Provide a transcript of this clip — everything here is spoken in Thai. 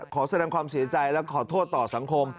ขอแสดงความเสียใจและขอโทษต่อสังคม